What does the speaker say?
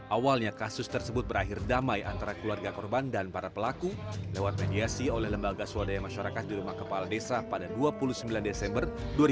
awalnya kasus tersebut berakhir damai antara keluarga korban dan para pelaku lewat mediasi oleh lembaga swadaya masyarakat di rumah kepala desa pada dua puluh sembilan desember dua ribu dua puluh